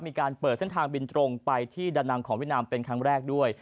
มีการเปิดเส้นทางบินตรงไปที่ดานังของเวียดนามเป็นครั้งแรกด้วย